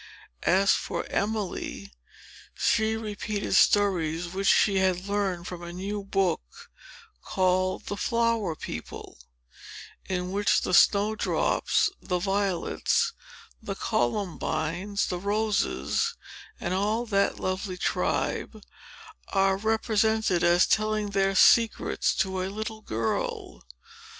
As for Emily, she repeated stories which she had learned from a new book, called THE FLOWER PEOPLE, in which the snow drops, the violets, the columbines, the roses, and all that lovely tribe, are represented as telling their secrets to a little girl.